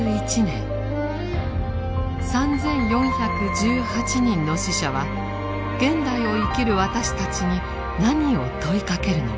３４１８人の死者は現代を生きる私たちに何を問いかけるのか。